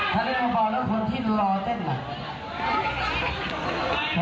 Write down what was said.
พอเลยหยุดไม่ต้องหัวไม่ต้องอะไรแล้วน่ะเดินเข้ามา